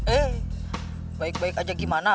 eh baik baik aja gimana